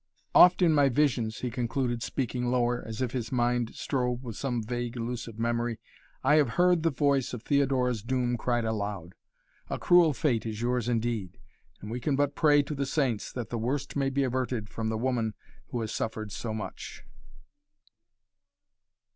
"Oft, in my visions," he concluded, speaking lower, as if his mind strove with some vague elusive memory, "have I heard the voice of Theodora's doom cried aloud. A cruel fate is yours indeed and we can but pray to the saints that the worst may be averted from the woman who has suffered so much."